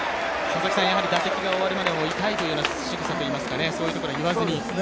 打席が終わるまで、痛いというしぐさといいますか、そういうことを言わずに。